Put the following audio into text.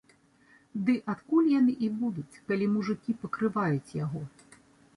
Ды адкуль яны і будуць, калі мужыкі пакрываюць яго?